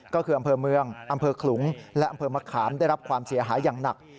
ก็คืออำเภอเมืองอำเภอขลุงและอำเภอมะขามได้รับความเสียหายอย่างหนัก